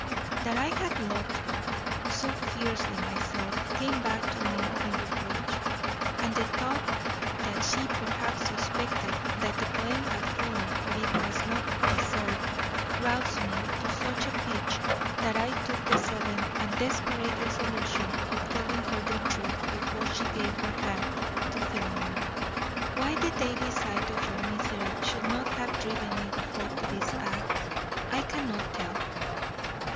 That I had loved her so fiercely myself came back to me in reproach, and the thought that she perhaps suspected that the blame had fallen where it was not deserved roused me to such a pitch that I took the sudden and desperate resolution of telling her the truth before she gave her hand to Philemon. Why the daily sight of your misery should not have driven me before to this act, I cannot tell.